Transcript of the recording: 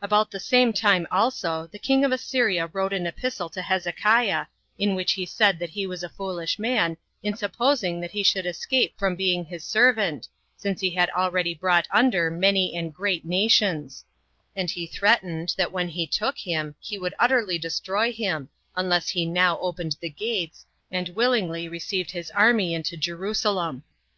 4. About the same time also the king of Assyria wrote an epistle to Hezekiah, in which he said he was a foolish man, in supposing that he should escape from being his servant, since he had already brought under many and great nations; and he threatened, that when he took him, he would utterly destroy him, unless he now opened the gates, and willingly received his army into Jerusalem.